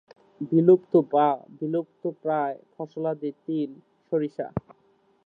বিলুপ্ত বা বিলুপ্তপ্রায় ফসলাদি তিল, সরিষা।